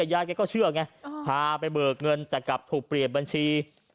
ยายแกก็เชื่อไงพาไปเบิกเงินแต่กลับถูกเปลี่ยนบัญชี